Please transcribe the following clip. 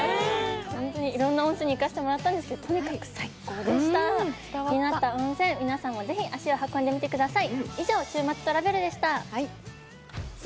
ホントに色んな温泉に行かせてもらったんですけどとにかく最高でした気になった温泉皆さんもぜひ足を運んでみてください以上週末トラベルでしたはいさあ